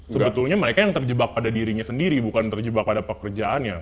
sebetulnya mereka yang terjebak pada dirinya sendiri bukan terjebak pada pekerjaannya